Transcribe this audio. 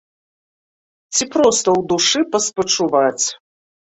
Ці проста ў душы паспачуваць.